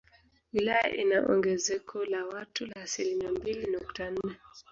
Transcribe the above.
Wilaya ina ongezeko la watu la asilimia mbili nukta nne